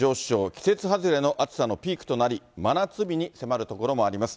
季節外れの暑さのピークとなり、真夏日に迫る所もあります。